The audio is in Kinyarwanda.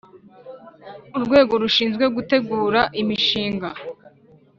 Urwego rushinzwe gutegura imishinga